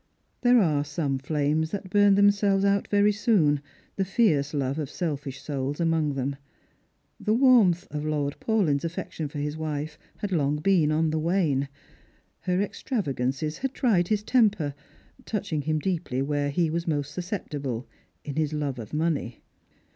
There are some flames that burn themselves out very soon, the fierce love of selfish souls among them. The warmth of Lord Paulyn'w aftection for his wife had long been on the wane. Her extra vagances had tried his temper, touching him deeply where he was most susceptible, in his love of money.